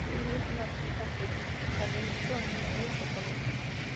Él es un artista cuyo talento no es reconocido.